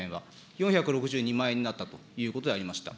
４６２万円になったということでありました。